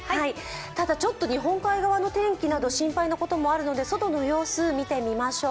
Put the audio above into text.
ただ、日本海側の天気など心配なこともあるので、外の様子を見てみましょう。